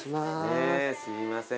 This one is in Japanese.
すいません。